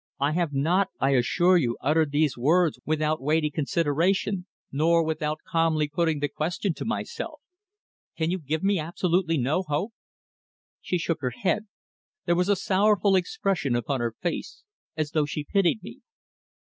I have not, I assure you, uttered these words without weighty consideration, nor without calmly putting the question to myself. Can you give me absolutely no hope?" She shook her head. There was a sorrowful expression upon her face, as though she pitied me.